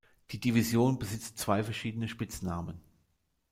Die Division besitzt zwei verschiedene Spitznamen.